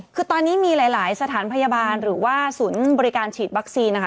คือตอนนี้มีหลายสถานพยาบาลหรือว่าศูนย์บริการฉีดวัคซีนนะคะ